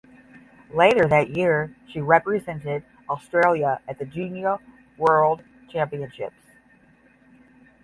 Later that year she represented Australia at the Junior World Championships.